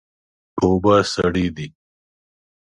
اوبه سړې دي.